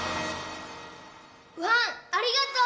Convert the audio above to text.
ワンありがとう！